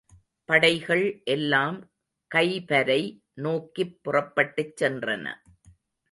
படைகள் எல்லாம் கைபரை நோக்கிப் புறப்பட்டுச் சென்றன.